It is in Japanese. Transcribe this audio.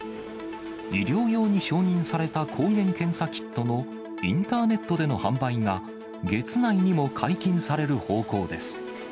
医療用に承認された抗原検査キットのインターネットでの販売が月内にも解禁される方向です。